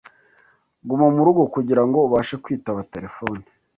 Guma murugo kugirango ubashe kwitaba terefone.